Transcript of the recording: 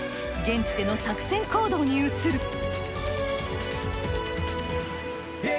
現地での作戦行動に移る。